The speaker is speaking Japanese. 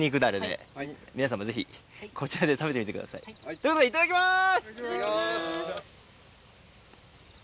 ということで、いただきます！